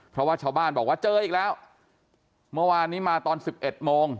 เพราะว่าชาวบ้านบอกว่าเจออีกแล้วเมื่อวานนี้มาตอนสิบเอ็ดโมง